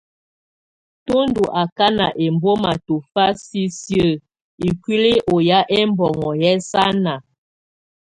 Tù bdɔ̀ ɔkana ɛmbɔ̀má tɔ̀fa sisiǝ́ ikuili ɔ́ yá ɛbɔŋɔ yɛ́ sa nàà.